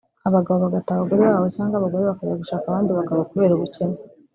abagabo bagata abagore babo cyangwa abagore bakajya gushaka abandi bagabo kubera ubukene